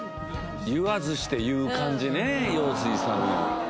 言わずして言う感じね陽水さんの。